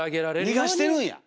逃がしてるんや！